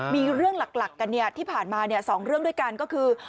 มีเรื่องหลักกันที่ผ่านมา๒เรื่องด้วยกันก็คือ